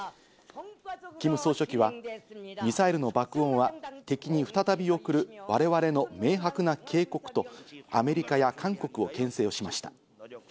キム総書記はミサイルの爆音は敵に再び送る我々の明白な警告とアメリカや韓国を牽制しました。